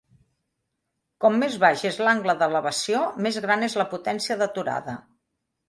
Com més baix és l'angle d'elevació, més gran és la potència d'aturada.